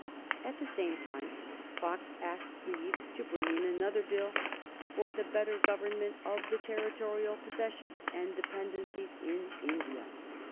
At the same time Fox asked leave to bring in another bill "for the better government of the territorial possessions and dependencies in India."